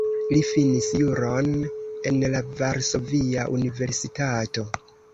Li finis juron en la Varsovia Universitato.